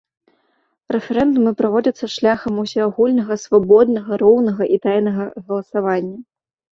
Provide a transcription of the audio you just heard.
Рэферэндумы праводзяцца шляхам усеагульнага, свабоднага, роўнага і тайнага галасавання.